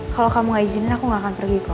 kalau kamu gak izinin aku gak akan pergi kok